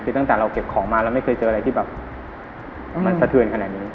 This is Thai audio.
คือตั้งแต่เราเก็บของมาเราไม่เคยเจออะไรที่แบบมันสะเทือนขนาดนี้